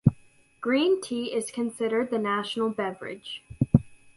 Green tea is considered the national beverage.